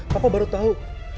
papa baru tau